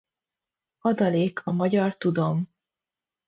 Adalék a magyar Tudom.